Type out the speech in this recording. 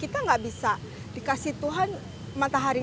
kita nggak bisa dikasih tuhan matahari